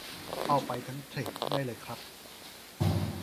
เอาไปทั้งเธรดได้เลยครับ